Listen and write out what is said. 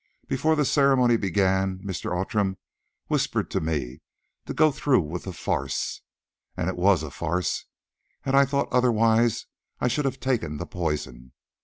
Before the ceremony began, Mr. Outram whispered to me to go through with the 'farce,' and it was a farce. Had I thought otherwise I should have taken the poison.